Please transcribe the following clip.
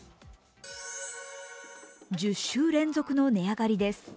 １０週連続の値上がりです。